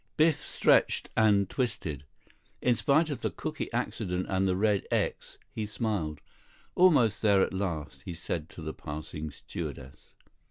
Biff stretched and twisted. In spite of the cooky accident and the red "X," he smiled. "Almost there, at last," he said to the passing stewardess.